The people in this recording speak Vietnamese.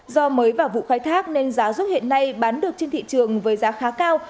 do mới vào vụ khai thác nên giá ruốc hiện nay bán được trên thị trường với giá khá cao